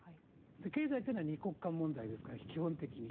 経済は２国間問題ですから基本的に。